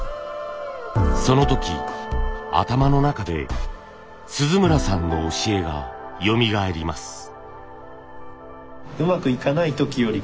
その時頭の中で鈴村さんの教えがよみがえります。